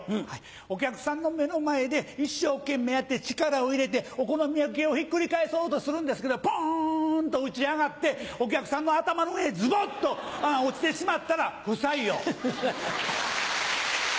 お客さんの目の前で一生懸命やって力を入れてお好み焼きをひっくり返そうとするんですけどポンと打ち上がってお客さんの頭の上へズボっと落ちてしまったら不採用。